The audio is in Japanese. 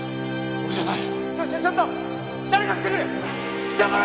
俺じゃない！